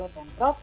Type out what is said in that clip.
itu tidak ada amdal